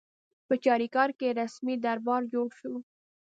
په چاریکار کې رسمي دربار جوړ شو.